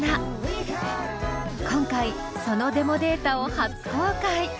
今回そのデモデータを初公開！